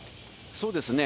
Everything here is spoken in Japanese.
そうですね。